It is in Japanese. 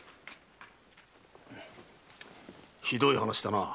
ひどい話だな。